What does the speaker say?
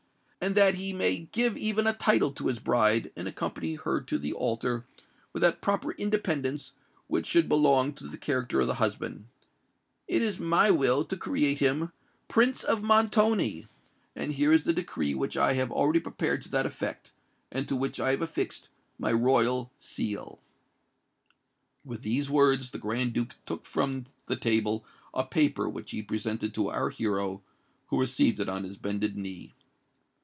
And that he may give even a title to his bride and accompany her to the altar with that proper independence which should belong to the character of the husband, it is my will to create him PRINCE OF MONTONI; and here is the decree which I have already prepared to that effect, and to which I have affixed my royal seal." With these words the Grand Duke took from the table a paper which he presented to our hero, who received it on his bended knee.